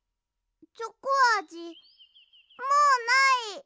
チョコあじもうない！